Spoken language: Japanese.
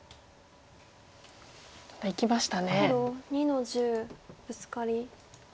ただいきましたね。